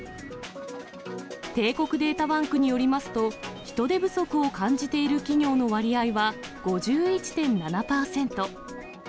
帝国データバンクによりますと、人手不足を感じている企業の割合は５１．７％。